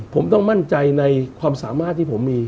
ผมต้องมั่นใจในความสามารถที่ผมมี